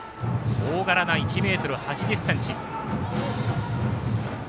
大柄な１ｍ８０ｃｍ。